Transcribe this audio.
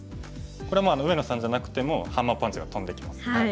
これもう上野さんじゃなくてもハンマーパンチが飛んできます。